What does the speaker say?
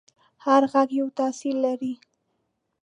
هر غږ یو تاثیر لري.